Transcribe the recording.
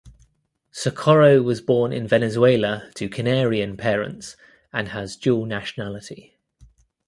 Socorro was born in Venezuela to Canarian parents and has dual nationality.